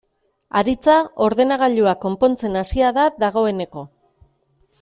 Aritza ordenagailua konpontzen hasia da dagoeneko.